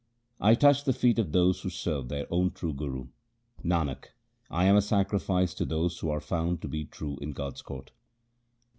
I touch the feet of those who serve their own true Guru. Nanak, I am a sacrifice to those who are found to be true in God's court.